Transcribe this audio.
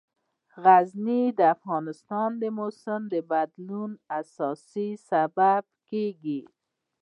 غزني د افغانستان د موسم د بدلون یو اساسي سبب کېږي.